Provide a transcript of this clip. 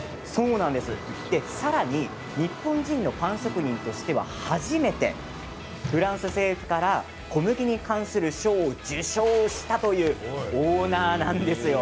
さらに日本人のパン職人としては初めてフランス政府から小麦に関する賞を受賞したというオーナーなんです。